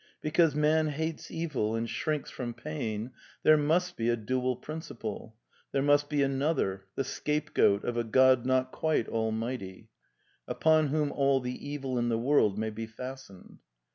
Be cause man hates evil and shrinks from pain, there must be a Dual principle ; there must be Another, the scapegoat of ^^^^^ God not quite almighty, upon whom all the evil in the world may be fastened.